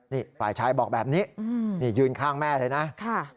นี่ฝ่ายชายบอกแบบนี้นี่ยืนข้างแม่เลยนะ